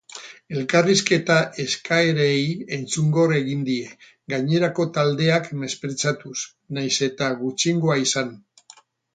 Elkarrizketa eskaerei entzungor egin die, gainerako taldeak mespretxatuz, nahiz eta gutxiengoa izan.